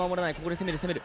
攻める、攻める。